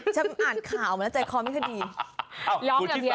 ฉันอ่านข่าวมาแล้วใจคอไม่ค่ะดี